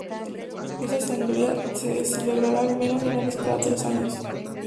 Esta asamblea se celebrará al menos una vez cada tres años.